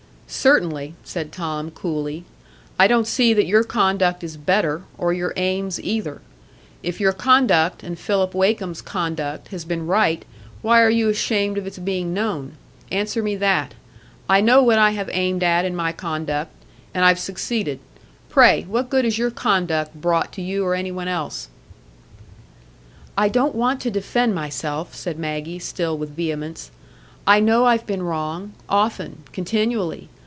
"Certainly," said Tom, coolly. "I don't see that your conduct is better, or your aims either. If your conduct, and Philip Wakem's conduct, has been right, why are you ashamed of its being known? Answer me that. I know what I have aimed at in my conduct, and I've succeeded; pray, what good has your conduct brought to you or any one else?" "I don't want to defend myself," said Maggie, still with vehemence: "I know I've been wrong,—often, continually.